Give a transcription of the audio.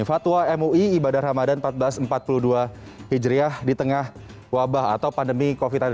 fatwa mui ibadah ramadan seribu empat ratus empat puluh dua hijriah di tengah wabah atau pandemi covid sembilan belas